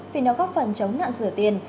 vì nó góp phần chống nạn rửa tiền